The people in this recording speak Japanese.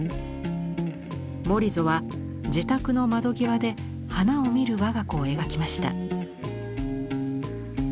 モリゾは自宅の窓際で花を見る我が子を描きました。